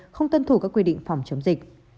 không tân thủ các quy định phòng chống dịch